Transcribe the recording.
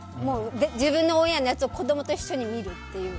自分のオンエアのやつを子供と一緒に見るっていう。